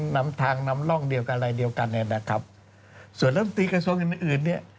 นำทางนำร่องเดียวกันอะไรเดียวกันเนี่ยนะครับส่วนลำตีกระทรวงอื่นอื่นเนี่ย